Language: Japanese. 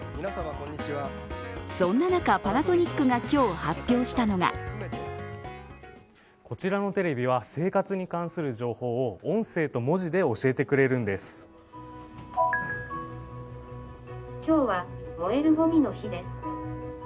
そんな中、パナソニックが今日発表したのがこちらのテレビは生活に関する情報を音声と文字で教えてくれるんです。